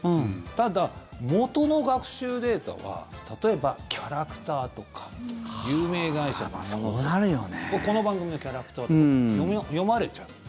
ただ、元の学習データは例えばキャラクターとか有名会社のものとかこの番組のキャラクターとかも読まれちゃう。